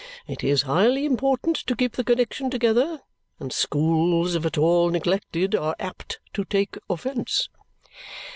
It is highly important to keep the connexion together; and schools, if at all neglected, are apt to take offence."